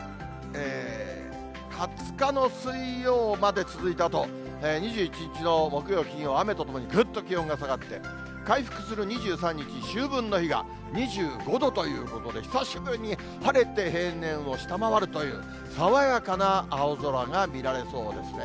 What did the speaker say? ２０日の水曜まで続いたあと、２１日の木曜、金曜、雨とともにぐっと気温が下がって、回復する２３日、秋分の日が２５度ということで、久しぶりに晴れて平年を下回るという、爽やかな青空が見られそうですね。